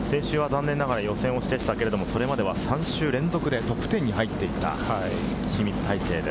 先週は残念ながら予選落ちでしたけれど、それまでは３週連続でトップテンに入っていた。